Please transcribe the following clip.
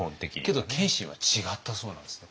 けど謙信は違ったそうなんですね。